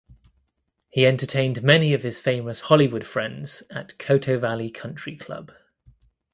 He entertained many of his famous Hollywood friends at Coto Valley Country Club.